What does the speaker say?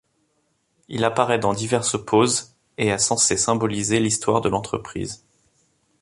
Il apparaît dans diverses poses et est censé symboliser l'histoire de l'entreprise.